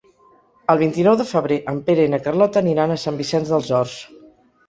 El vint-i-nou de febrer en Pere i na Carlota aniran a Sant Vicenç dels Horts.